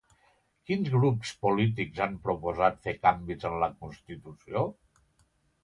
Quins grups polítics han proposat fer canvis en la constitució?